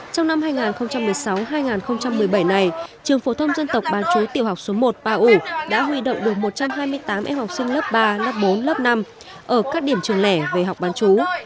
trong năm hai nghìn một mươi sáu hai nghìn một mươi bảy này trường phổ thông dân tộc bán chú tiểu học số một pa u đã huy động được một trăm hai mươi tám em học sinh lớp ba lớp bốn lớp năm ở các điểm trường lẻ về học bán chú